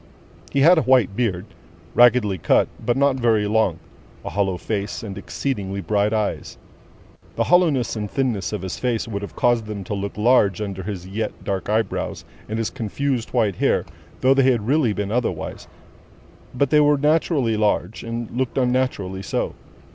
He had a white beard, raggedly cut, but not very long, a hollow face, and exceedingly bright eyes. The hollowness and thinness of his face would have caused them to look large, under his yet dark eyebrows and his confused white hair, though they had been really otherwise; but, they were naturally large, and looked unnaturally so.